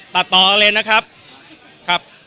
สวัสดีครับ